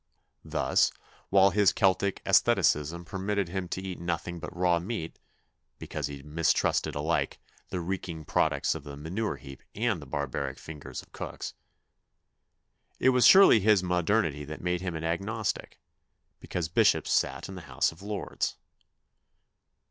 Thus, while his Celtic aestheticism permitted him to eat nothing but raw meat, because he mistrusted alike " the reeking products of the manure heap and the barbaric fingers of cooks," it was surely his modernity that made him an agnostic, because bishops sat in the House of Lords.